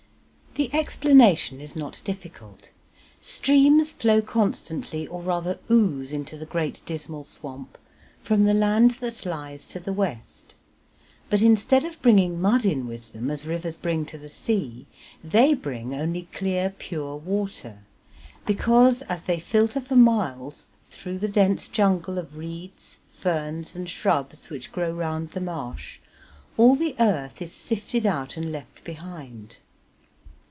The explanation is not difficult; streams flow constantly, or rather ooze into the Great Dismal Swamp from the land that lies to the west, but instead of bringing mud in with them as rivers bring to the sea, they bring only clear, pure water, because, as they filter for miles through the dense jungle of reeds, ferns, and shrubs which grow round the marsh, all the earth is sifted out and left behind.